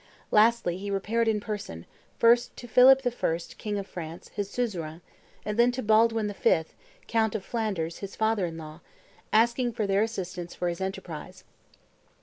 Lastly he repaired in person, first to Philip I., king of France, his suzerain, then to Baldwin V., count of Flanders, his father in law, asking their assistance for his enterprise.